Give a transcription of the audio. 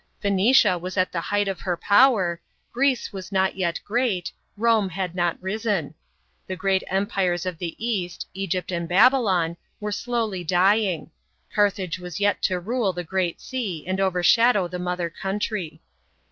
Phoenicia was at the height of her power, Greece was not yet great, Rome had not risen. The ^reao empires of the East, Egypt and Babylon, were slowly dying ; Carthage was yet to rule the Great Sea and overshadow the mother country.